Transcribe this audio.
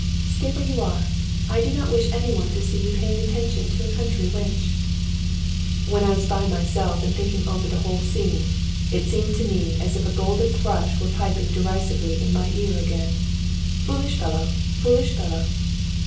"Stay where you are. I do not wish any one to see you paying attention to a country wench." When I was by myself again and thinking over the whole scene, it seemed to me as if a golden thrush were piping derisively in my ear again "Foolish fellow! Foolish fellow!"